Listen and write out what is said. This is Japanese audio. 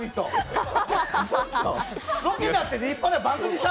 ロケだって立派な番組さ！